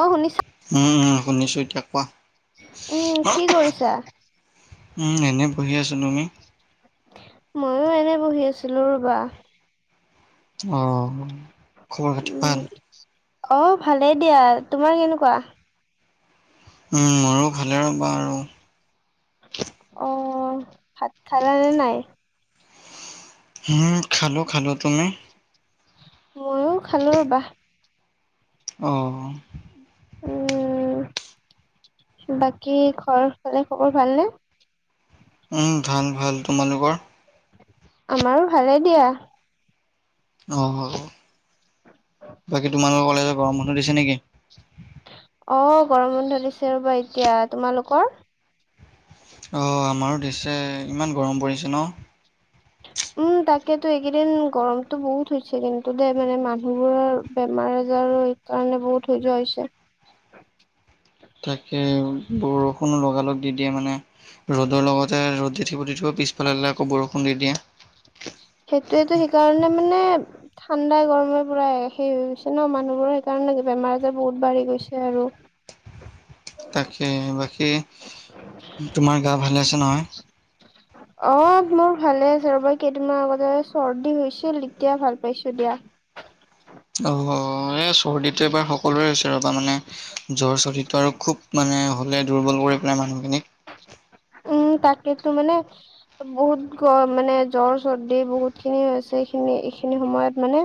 অ শুনিছা উম উম শুনিছোঁ এতিয়া কোৱা। উম কি কৰিছা উম, এনেই বহি আছো। তুমি? মইয়ো এনে বহি আছিলো ৰ'বা। অহ, খবৰ খাতি উম ভাল? অ', ভালেই দিয়া। তোমাৰ কেনেকুৱা? উম, মোৰো ভালে ৰ'বা আৰু। অ', ভাত খালা নে নাই? উম, খালো, খালো। তুমি? মইয়ো খালো ৰ'বাহ। অ'। উম বাকী ঘৰ ফালে খবৰ ভালনে উম ভাল ভাল তোমালোকৰ আমাৰো ভালে দিয়া অ-হ -অ বাকী তোমালোকৰ কলেজৰ গৰম বন্ধ দিছে নেকি অ', গৰম বন্ধ দিছে ৰ'বা এতিয়া, তোমালোকৰ অ', আমাৰো দিছে, ইমান গৰম পৰিছে ন উম, তাকেতো, এইকেইদিন গৰমতটো বহুত হৈছে কিন্তু দে মানে মানুহবোৰৰ বেমাৰ আজাৰ কাৰণে বহুত হৈ যোৱা হৈছে তাকে বৰষুণো লগালগ দি দিয়ে মানে ৰ'দৰ লগতে, ৰ'দ দি থাকিব, দি থাকিব, পিছ ইফালে আক বৰষুণ দি দিয়ে সেইটোয়েতো, সেইকাৰণে মানে ঠাণ্ডাই গৰমে পুৰা হেৰি হৈ গৈছে ন মানুহবোৰৰ সেইকাৰণে বেমাৰ আজাৰ বহুত বাঢ়ি গৈছে আৰু [unintelligible] তাকেই বাকী তোমাৰ গা ভালে আছে নহয় অ', মোৰ ভালে আছে ৰ'বা কেত দুদিন মান আগতে চৰ্দি হৈছিল এতিয়া ভাল পাইছো দিয়া অ-হ এই চৰ্দিতটো এবাৰ সকলোৰে হৈছে ৰ'বা মানে জ্বৰ চৰ্দিটো আৰু খুব মানে হ'লে দুৰ্বল কৰি পেলাই মানুহখিনিক উম, তাকেতো মানে বহুত গৰম মানে জ্বৰ চৰ্দি বহুত খিনি হৈছে এইখিনি, এইখিনি সময়ত মানে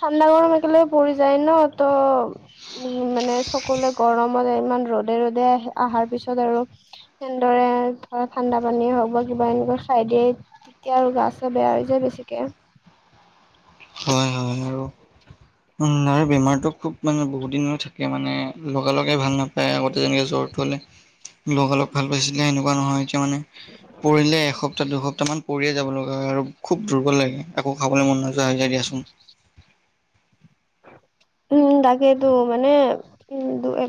ঠাণ্ডা-গৰম একেলগে পৰি যায় ন' ত' উ মানে সকলোৱে গৰমত ইমান ৰ'দে ৰ'দে অহাৰ পিছত আৰু এনেদৰে ধৰা ঠাণ্ডা পানী হওক বা কিবা এনেকুৱা খাই দিয়ে এতিয়া আৰু গা-চা বেয়া হৈ যায় বেছিকে হয়, হয় আৰু লাৰ বেমাৰতো খুব মানে বহুত দিনলে থাকে মানে লগে লগেই ভাল নাপ আগতে যেনেকে জ্বৰটো হ'লে লগা-লগ ভাল পাইছিলে সেনেকুৱা নহয় এতিয়া মানে পৰিলে এসপ্তাহ-দুসপ্তাহ মান পৰিয়ে যাব লগা হয় আৰু খুব দুৰ্বল লাগে একো খাবলৈ মন নাযায় দিয়াচোন উম ত, কেইেতো মানে উম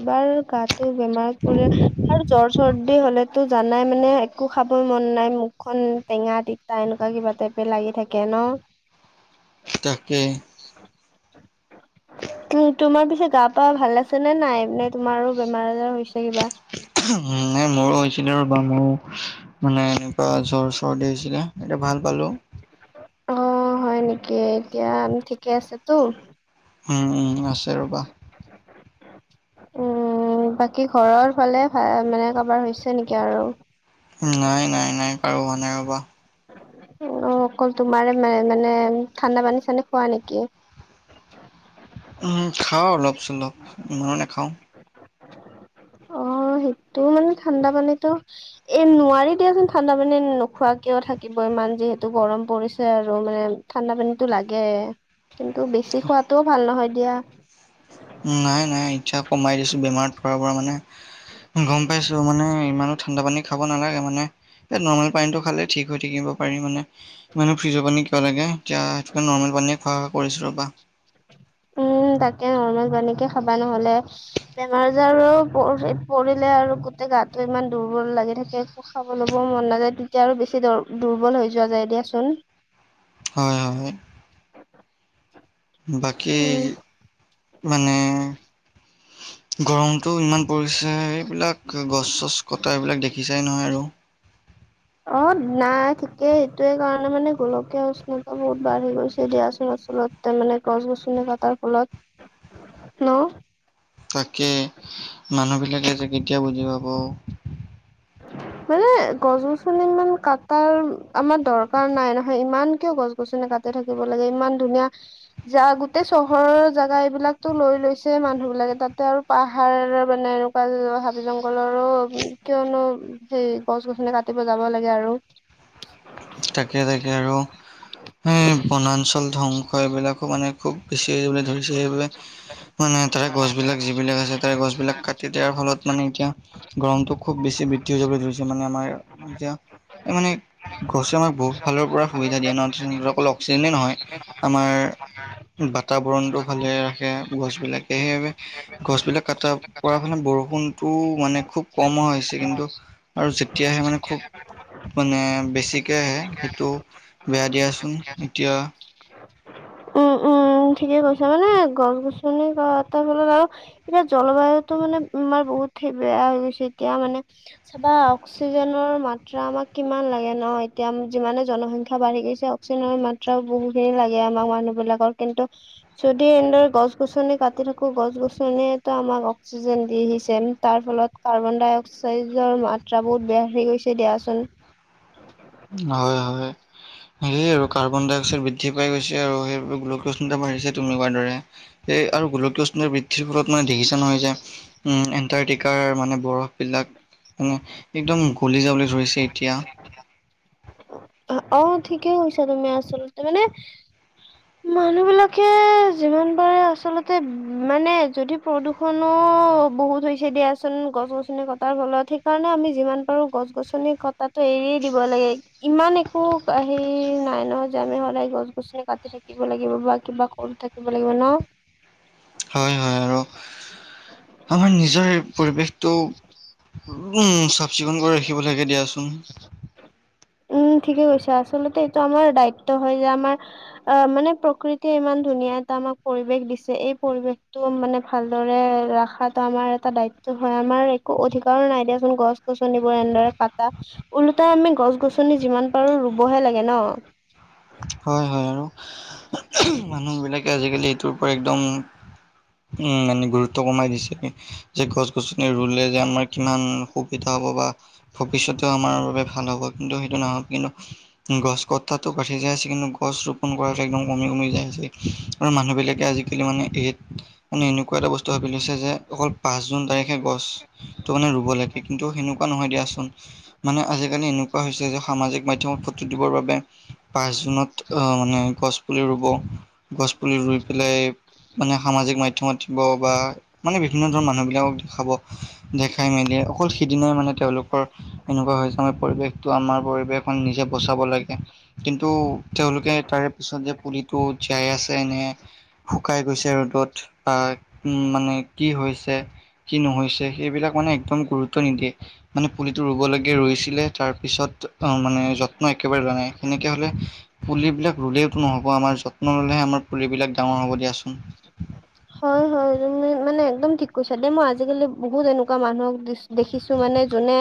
বাৰ গাটো বেমাৰত পৰি আৰু জ্বৰ-চৰ্দি হ'লে টো জানাই মানে একো খাব মন নাই মুখখন টেঙা-তিতা এনেকুৱা কিবা টাইপে লাগি থাকে ন' [unintelligible] তাকে তোমাৰ পিছে গা-পা ভাল আছে নে নাই নে তোমাৰো বেমাৰ-আজাৰ হৈছে কিবা মোৰো হৈছিলে ৰবা ম‌ও মানে এনেকুৱা জ্বৰ-চৰ্দি হৈছিলে এতিয়া ভাল পালো অ, হয় নেকি এতিয়া ঠিকে আছেতো উম, উম, আছে ৰ'বা উম, বাকী ঘৰৰ ফালে ভ মানে কাৰোবাৰ হৈছে নেকি আৰু নাই, নাই, নাই কাৰো হোৱা নাই ৰবা অ, অকল তোমাৰে মানে মানে ঠাণ্ডা পানী-চানী খোৱা নেকি উম খাও অলপ-চলপ ইমানো নাখাও অ, সেইটো মানে ঠাণ্ডা পানীতো এ নোৱাৰি দিয়াচোন ঠাণ্ডা পানী নোখোৱাকে থাকিব ইমান যিহেতু গৰম পৰিছে আৰু মানে ঠাণ্ডা পানীটো লাগে কিন্তু বেছি খোৱাতটোও ভাল নহয় দিয়া। নাই নাই ইতা কমাই দিছো বেমাৰত পৰাৰপৰা মানে গম পাইছো মানে ইমানো ঠাণ্ডা পানী খাব নালাগে মানে নৰ্মেল পানীটো খালে ঠিক হৈ থাকিব পাৰি মানে। মানে ফ্ৰীজৰ পানী কিয় লাগে, এতিয়া সেইতো কাৰনে নৰ্মেল পানীয়ে খোৱা কৰিছো ৰবা। উম তাকে নৰ্মেল পানীকে খাবা নহ'লে বেমাৰ-আজাৰো পৰি পৰিলে আৰু গোতেই গোটেই গাটো ইমান দুৰ্বল লাগি থাকে। খাবলৈবও মন নাযায় তেতিয়া আৰু বেছি দ দুৰ্বল হৈ যোৱা যায় দিয়াচোন। হয়, হয়। বাকী উম মানে গৰমটো ইমান পৰিছে এইবিলাক গছ চছ-কটা এইবিলাক দেখিছাই নহয় আৰু। অ নাই থিকে সেইটোৱে কাৰণে মানে গোলকীয়া উষ্ণতা বহুত বাঢ়ি গৈছে দিয়াছোন আছলটে। মানে গছ-গছনি কতাৰ ফলত ন'। তাকে মানুহ বিলাকে যে কেতিয়া বুজি পাব। [inaudible] মানে গছ-গছনি ইমান কাটাৰ আমাৰ দৰকাৰ নাই নহয় ইমান কিয় গছ গছনি কাটি থাকিব লাগে ইমান ধুনীয়া যা গোটেই চহৰৰ জাগা এইবিলাকো লৈ লৈছে মানুহ বিলাকে তাতে আৰু পাহাৰ আৰু মানে এনেকুৱা হাবি-জংঘলৰো উ কিয়নো সেই গছ-গছনি কাটিব যাব লাগে আৰু। তাকে-তাকে আৰু এই বনাঞ্চল ধ্বংস এইবিলাকো মানে খুব বেছি হৈ যাবলৈ ধৰিছে সেইবালে মানে তাৰে গছ বিলাক যিবিলাক আছে তাৰে গছ বিলাক কাটি দিয়াৰ ফলত মানে এতিয়া গৰমটো খুব বেছি বৃদ্ধি হৈ যাবলৈ ধৰিছে মানে আমাৰ এতিয়া এই মানে গছ আমাক বহুত ফালৰ পৰা সুবিধা দিয়ে ন অকল অক্সিজেনেই নহয় আমাৰ বাতাবৰণতটো ভালে ৰাখে গছবিলাকে সেইবাবে গছবিলাক কটা পৰা ফালে বৰষুণতটো মানে খুব কম হৈছে কিন্তু আৰু যেতিয়া আহে মানে খুব মানে বেছিকে আহে সেইটো বেয়া দিয়াচোন এতিয়া উ ঠিকে কৈছা মানে গছ গছনি কাতাৰ ফলত আৰু এতিয়া জলবায়ুতো মানে আমাৰ বহুত বেয়া হৈ গৈছে এতিয়া মানে চাবা অক্সিজেনৰ মাত্ৰা আমাক কিমান লাগে ন এতিয়া যিমানে জনসংখ্যা বাঢ়ি গৈছে চোনৰ মাত্ৰা বহুটেই লাগে আমাৰ মানুহ বিলাকৰ কিন্তু যদি এনেদৰে গছ গছনি কাটি থাকো গছ গছনিয়েতো আমাক অক্সিজেন দি আহিছে তাৰ ফলত কাৰ্বন ডাই অক্সাইডৰ মাত্ৰা বহুত বাঢ়ি গৈছে দিয়াচোন হয় হয় সেইয়ে আৰু কাৰ্বন-ডাই-অক্সাইড বৃদ্ধি পাই গৈছে আৰু সেই বাবে গোলকীয় উষ্ণতা বাঢ়িচে তুমি কোৱাৰ দৰে। সেইে আৰু গোলকীয় উষ্ণতা বৃদ্ধিৰ ফলত মানে দেখছাই নহয় এতিয়া উম এণ্টাৰ্টিকাৰ মানে বৰফবিলাক উম, একদম গলি যাবলে ধৰিছে এতিয়া। অ অ ঠিকেই কইছা তুমি আচলতে মানে মানুহ বিলাকে যিমান পাৰে আচলতে মানে যদি প্ৰদূষ খোনো বহুত হৈছে দিয়াচোন গছ গছনি কটাৰ ফলত সেইকাৰণে আমি যিমান পাৰো গছ গছনি কত তাতো এৰিয়ে দিব লাগে ইমান একো কা হেৰি নাই নহ যানোএ আমি গছ গছনি কাটি থাকি থাকিব লাগিব বা কিবা কম থাকিব লাগিব ন হয় হয় আৰু আমাৰ নিজৰে পৰিৱেশটো উম' চাফ-চিকুণ কৰি ৰাখিব লাগে দিয়াচোন। উম' ঠিকে কৈছা, আচলতে এইটো আমাৰ দায়িত্ব হয় যে আমাৰ- অ মানে প্ৰকৃতিয়ে ইমান ধুনীয়া এটা আমাক পৰিৱেশ দিছে, এই পৰিৱেশটো মানে ভালদৰে ৰখাত টো আমাৰ এটা দায়িত্ব হয়। আমাৰ একো অধিকাৰো নাই দিয়াচোন গছ-গছনিবোৰ এনেদৰে কাটা, ওলোটাই আমি গছ-গছনি যিমান পাৰো ৰুবহে লাগে ন। হয় হয়, আৰু মানুহ বিলাকে আজিকালি এইটোৰ পৰা একদম, মানে গুৰুত্ব কমাই দিছে, যে গছ-গছনি ৰুলে যে আমাৰ কিমান সুবিধা হ'ব বা- ভৱিষ্যতে আমাৰ বাবে ভাল হ'ব, কিন্তু সেইটো নহ কিন্তু গছ [unintelligible] আছে কিন্তু গছ ৰোপন কৰাটো একদম কমি কমি যায় আছে। আৰু মানুহ বিলাকে আজিকালি মানে এই মানে এনেকুৱা এটা বস্তু ভাবি লৈছে যে, অকল পাঁচ জুন তাৰিখে গছ ত মানে ৰুব লাগে, কিন্তু সেনেকুৱা নহয় দিয়াচোন। মানে আজিকালি এনেকুৱা হৈছে যে, সামাজিক মাধ্যমত ফটো দিবৰ বাবে পাঁচ জুনত মানে গছপুলি ৰুব, গছপুলি ৰুই পেলাই মানে সামাজিক মাধ্যমত দিব বা মানে বিভিন্ন ধৰণৰ মানুহ বিলাকক দেখাব, দেখাই মেলি অকল সিদিনাই মানে তেওঁলোকৰ এনেকুৱা হৈছে আমাৰ পৰিৱেশটো আমাৰ, পৰিৱেশ নিজে বচাব লাগে। কিন্তু তেওঁলোকে তাৰে পিছত যে পুলিটো জীয়াই আছে নে- শুকাই গৈছে ৰ'দত বা মানে কি হৈছে কি নহৈছে সেইবিলাক মানে একদম গুৰুত্ব নিদিয়ে। মানে পুলিটো ৰুব লাগে ৰুইছিলে, তাৰ পিছত মানে যত্ন একেবাৰে লোৱা নাই। তেনেকে হ'লে পুলিবিলাক ৰুলেওতো নহ'ব, আমাৰ যত্ন ললেহে আমাৰ পুলিবিলাক ডাঙৰ হ'ব দিয়াচোন। হয় হয় তুমি মানে একদম ঠিক কৈছা দেই, মই আজিকালি বহুত এনেকুৱা মানুহক দি- দেখিছো মানে যোনে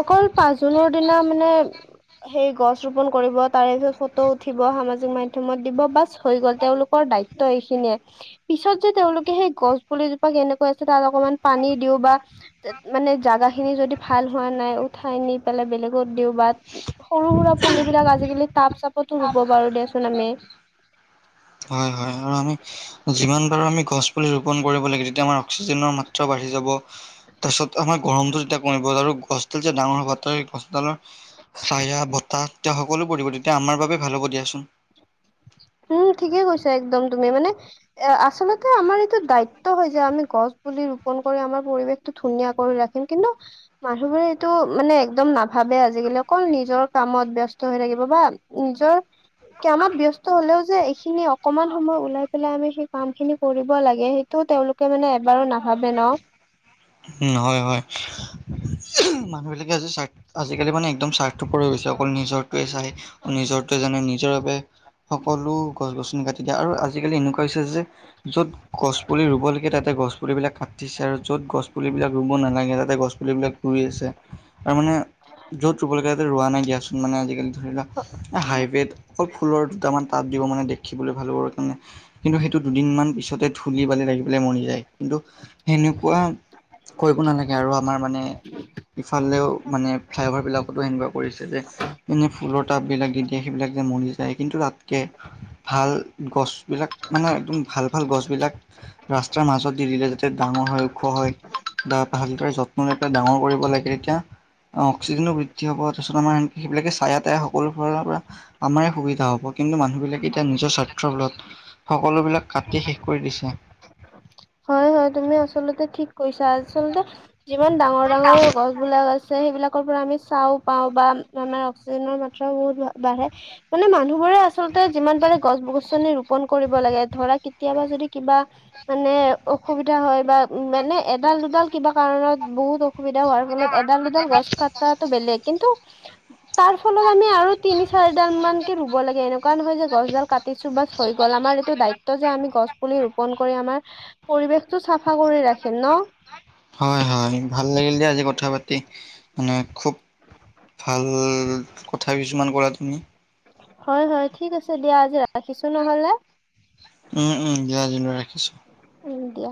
অকল পাঁচ জুনৰ দিনা মানে সেই গছ ৰোপন কৰিব, তাৰে পিছত ফটো উঠিব, সামাজিক মাধ্যমত দিব, বাছ হৈ গ'ল তেওঁওলোকৰ দায়িত্ব। ত এইখিনিয়ে- পিছত যে তেওঁলোকে সেই গছ পুলিজোপা কেনেকুৱা আছে, তাত অকমান পানী দিওঁ বা- মানে জাগা খিনি যদি ভাল হোৱা নাই, উঠাই নি পেলাই বেলেগত দিওঁ বা সৰু সুৰা পুলিবিলাক আজিকালি তাপ চাপতো ৰুব পাৰো দিয়াচোন আমি। হয় হয়, আৰু আমি যিমান পাৰো আমি গছ পুলি ৰোপন কৰিব লাগে তেতিয়া আমাৰ অক্সিজেনৰ মাত্ৰা বাঢ়ি যাব। তাৰপিছত আমাৰ গৰমটো যেতিয়া কমিব আৰু গছডাল যে ডাঙৰ হোৱা পাত গছডালৰ- হায়া বতাহ তেতিয়া সকলো পৰিব তেতিয়া আমাৰ বাবে ভাল হ'ব দিয়াচোন। উম ঠিকে কৈছা একদম তুমি, মানে- এ আচলতে আমাৰ এইটো দায়িত্ব হয় যে আমি গছ পুলি ৰোপন কৰি আমাৰ পৰিৱেশ ধুনিয়া কৰি ৰাখিম, কিন্তু- মানুহবোৰে এইটো মানে একদম নাভাবে আজিকালি, অকল নিজৰ কামত ব্যস্ত হৈ থাকিব বা- নিজৰ কামত ব্যস্ত- ট হ'লেও যে এইখিনি অকমান সময় উওলাই পেলাই আমি সেই কাম খিনি কৰিব লাগে তো তেওঁলোকে মানে এবাৰো নাভাবে ন? উ হয় হয়, মানুহ বিলাকে আজি চাৰ্ট আজিকালি মানে একদম চাৰ্ট- অকল নিজৰটোৱে চাই, নিজৰে জানে, নিজৰ বাবে- সকলো গছ-গছনি কাটি দিয়ে, আৰু আজিকালি এনেকুৱা হৈছে যে- য'ত গছ পুলি ৰুব লাগে তাতে গছ পুলি বিলাক কাটিছে আৰু য'ত গছ- পুলিবিলাক ৰুৱ নালাগে যাতে গছ পুলিবিলাক ৰুই আছে তাৰমানে। য'ত ৰুব লাগে তাতে ৰোৱা নাই দিয়াচোন মানে আজিকালি ধৰি লোৱা। ন। হাইব্ৰীড অকল ফুলৰ দুটামান টাব দিব মানে দেখিবলৈ ভাল হবৰ কাৰণে। কিন্তু সেইটো দুদিনমান পিছতে ধুলি বালি লাগি পেলাই মৰি যায় কিন্তু সেনেকুৱা। কৰিব নালাগে আৰু আমাৰ মানে ইফালেও মানে ফ্লাইঅভাৰ বিলাকতো সেনেকুৱা কৰিছে যে এনেই ফুলৰ টাববিলাক দি দিয়ে সেইবিলাক যে মৰি যায় কিন্তু তাতকে। ভাল গছবিলাক মানে একদম ভাল, ভাল গছবিলাক। ৰাস্তাৰ মাজত দি দিলে যাতে ডাঙৰ হয় ওখ হয়। বা ভালদৰে যত্ন লৈ পেলাই ডাঙৰ কৰিব লাগে তেতিয়া। অক্সিজেন বৃদ্ধি তাৰপিছত আমাৰ সেইবিলাকে ছায়া তায়া সকলো ফালৰ পৰা। আমাৰে সুবিধা হ'ব কিন্তু মানুহবিলাক এতিয়া নিজৰ স্বাৰ্থৰ ফলত সকলো বিলাক কাটি শেষ কৰি দিছে। হয়, হয় তুমি আচলতে ঠিক কৈছা আচলতে যিমান ডাঙৰ, ডাঙৰ গছ। বিলাক আছে সেইবিলাকৰ পৰা আমি চাও পাওঁ বা আমাৰ অক্সিজেনৰ মাত্ৰাও বহুত বাঢ়ে। মানে মানুহবোৰে আচলতে যিমান পাৰে গছ গছনি ৰোপন কৰিব লাগে ধৰা কেতিয়াবা যদি কিবা। মানে অসুবিধা হয় বা মানে এডাল দুডাল কিবা কাৰণত বহুত অস অসুবিধা হোৱাৰ ফলত এডাল দুডাল গছ কটাটো বেলেগ কিন্তু তাৰ ফলত আমি আৰু তিনি চাৰিডাল মানকে ৰুৱ লাগে এনেকুৱা নহয় যে গছডাল কাটিছো বাছ হৈ গ'ল আমাৰ এইটো দায়িত্ব যে আমি গছ পুলি ৰোপন কৰি আমাৰ। পৰিৱেশটো চাফা কৰি ৰাখিম নহ। হয়, হয় ভাল লাগিল দিয়া আজি কথা পাতি মানে খুব ভাল কথা কিছুমান কলা তুমি। হয়, হয় ঠিক আছে দিয়া আজি ৰাখিছো নহ'লে। উম উম দিয়া আজিলৈ ৰাখিছো। উম দিয়া।